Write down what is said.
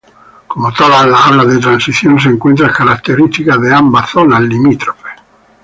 Como todas las hablas de transición, se encuentran características de ambas zonas limítrofes.